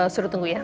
suruh tunggu ya